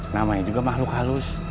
namanya juga makhluk halus